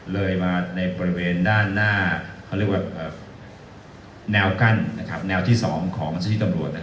เลยมาในบริเวณด้านหน้าเขาเรียกว่าแนวกั้นแนวที่๒ของเจ้าที่ตำรวจ